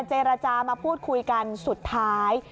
เจรจามาพูดคุยกันสุดท้าย